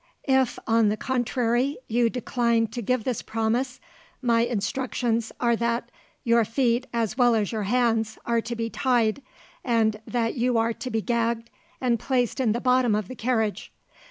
If, on the contrary, you decline to give this promise, my instructions are that your feet as well as your hands are to be tied, and that you are to be gagged and placed in the bottom of the carriage.